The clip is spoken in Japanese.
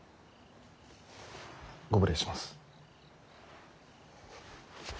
ご無礼します。